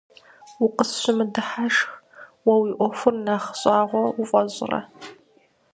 Укъысщымыдыхьашх, уэ уи ӏуэхур нэхъ щӏагъуэ уфӏэщӏрэ?